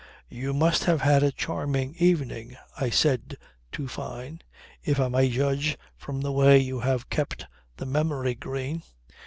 "You must have had a charming evening," I said to Fyne, "if I may judge from the way you have kept the memory green."